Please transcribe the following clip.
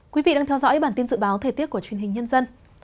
quý vị đang theo dõi bản tin dự báo thời tiết của truyền hình nhân dân